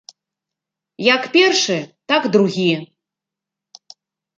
Як першы, так другі.